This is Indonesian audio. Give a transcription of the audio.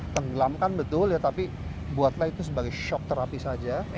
tenggelamkan betul ya tapi buatlah itu sebagai shock therapy saja